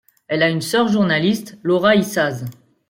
Elle a une sœur journaliste, Laura Isaaz.